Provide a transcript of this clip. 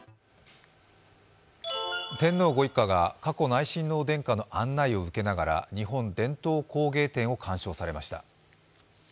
天皇ご一家が佳子内親王殿下の案内を受けながら日本伝統工芸展を鑑賞されました。